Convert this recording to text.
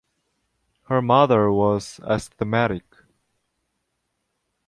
Her mother was asthmatic.